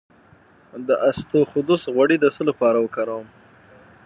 د اسطوخودوس غوړي د څه لپاره وکاروم؟